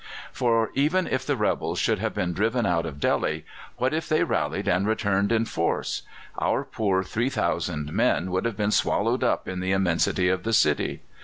For, even if the rebels should have been driven out of Delhi, what if they rallied and returned in force? Our poor 3,000 men would have been swallowed up in the immensity of the city.